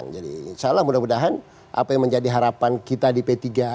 jadi insya allah mudah mudahan apa yang menjadi harapan kita di p tiga